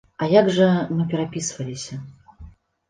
А як жа, мы перапісваліся!